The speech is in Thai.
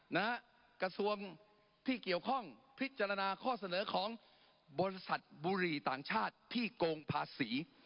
กระทรวงที่เกี่ยวข้องพิจารณาข้อเสนอของบริษัทบุหรี่ต่างชาติที่โกงภาษี